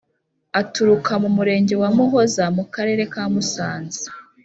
Aturuka Murenge wa Muhoza mu Karere ka Musanze.